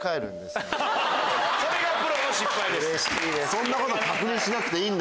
そんなこと確認しなくていい！